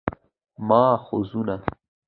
ماخذونه: